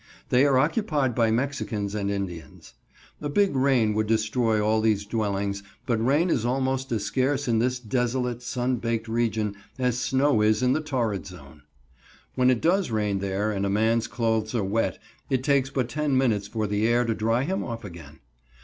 They are occupied by Mexicans and Indians. A big rain would destroy all these dwellings; but rain is almost as scarce in this desolate, sun baked region as snow is in the Torrid Zone. When it does rain there and a man's clothes are wet, it takes but ten minutes for the air to dry him off again.